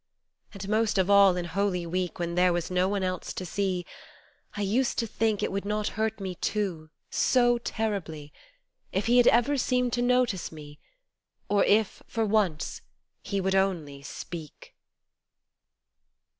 And most of all in Holy Week When there was no one else to see I used to think it would not hurt me too, so terribly, If He had ever seemed to notice me Or, if, for once, He would only speak.